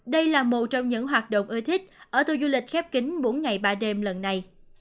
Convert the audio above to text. đây là một trong những hoạt động ưa thích ở tour du lịch khép kính bốn ngày ba đêm lần này